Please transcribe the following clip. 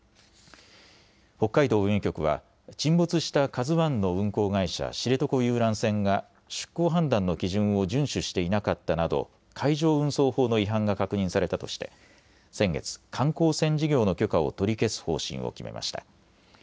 北海道運輸局は沈没したＫＡＺＵＩの運航会社、知床遊覧船が出航判断の基準を順守していなかったなど海上運送法の違反が確認されたとして先月、観光船事業の許可を取り消す方針を決めました。